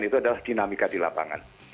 itu adalah dinamika di lapangan